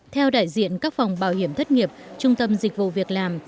theo đại diện các phòng bảo hiểm thất nghiệp trung tâm dịch vụ việc làm